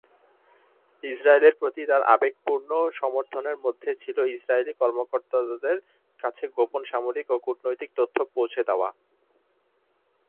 ইজরায়েলের প্রতি তার আবেগপূর্ণ সমর্থনের মধ্যে ছিল ইজরায়েলি কর্মকর্তাদের কাছে গোপন সামরিক ও কূটনৈতিক তথ্য পৌঁছে দেওয়া।